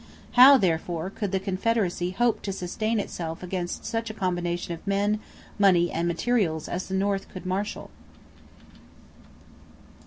How, therefore, could the Confederacy hope to sustain itself against such a combination of men, money, and materials as the North could marshal?